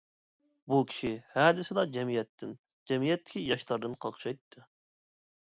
بۇ كىشى ھەدىسىلا جەمئىيەتتىن، جەمئىيەتتىكى ياشلاردىن قاقشايتتى.